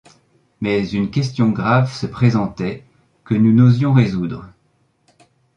Mais une question grave se présentait, que nous n’osions résoudre.